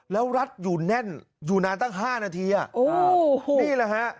แล้วรัดอยู่แน่นอยู่นานตั้ง๕นาทีอ่ะโอ้โหนี่แหละฮะ